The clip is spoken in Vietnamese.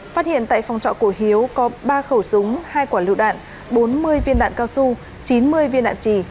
phát hiện tại phòng trọ của hiếu có ba khẩu súng hai quả lựu đạn bốn mươi viên đạn cao su chín mươi viên đạn trì